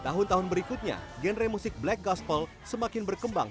tahun tahun berikutnya genre musik black gospel semakin berkembang